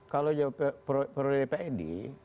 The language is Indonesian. kalau pro depa ed